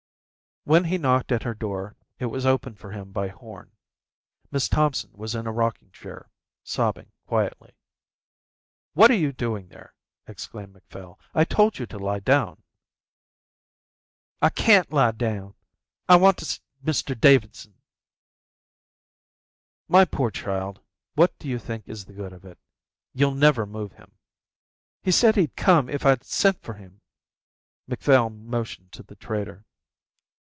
When he knocked at her door it was opened for him by Horn. Miss Thompson was in a rocking chair, sobbing quietly. "What are you doing there?" exclaimed Macphail. "I told you to lie down." "I can't lie down. I want to see Mr Davidson." "My poor child, what do you think is the good of it? You'll never move him." "He said he'd come if I sent for him." Macphail motioned to the trader.